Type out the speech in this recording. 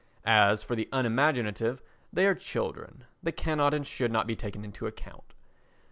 As for the unimaginative, they are as children; they cannot and should not be taken into account.